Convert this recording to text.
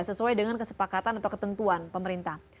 sesuai dengan kesepakatan atau ketentuan pemerintah